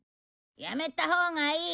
やめたほうがいい。